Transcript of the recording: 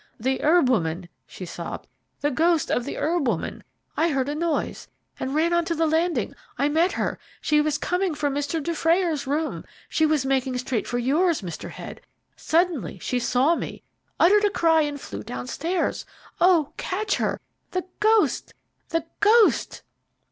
"The herb woman," she sobbed, "the ghost of the herb woman. I heard a noise and ran on to the landing. I met her she was coming from Mr. Dufrayer's room she was making straight for yours, Mr. Head. Suddenly she saw me, uttered a cry, and flew downstairs. Oh, catch her, the ghost! the ghost!"